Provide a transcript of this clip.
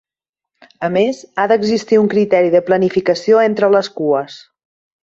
A més ha d'existir un criteri de planificació entre les cues.